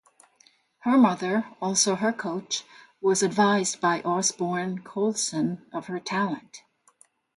Her mother, also her coach, was advised by Osborne Colson of her talent.